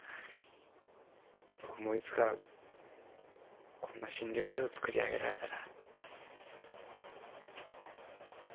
僕もいつかこんな診療所を作り上げられたら。